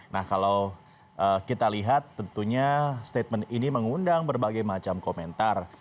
nah kalau kita lihat tentunya statement ini mengundang berbagai macam komentar